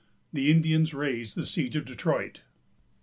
THE INDIANS RAISE THE SIEGE OF DETROIT.